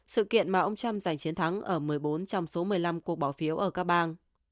sự kiện mà ông trump giành chiến thắng ở một mươi bốn trong số một mươi năm cuộc bỏ phiếu ở các bang